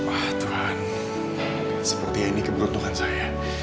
wah tuhan sepertinya ini keberuntungan saya